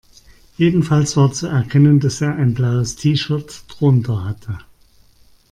Jedenfalls war zu erkennen, dass er ein blaues T-Shirt drunter hatte.